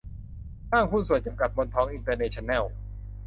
ห้างหุ้นส่วนจำกัด มนทองอินเตอร์เนชั่นแนล